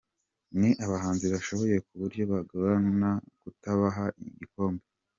Ni abahanzi bashoboye ku buryo byagorana kutabaha igikombe.